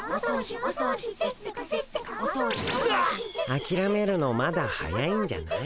あきらめるのまだ早いんじゃない？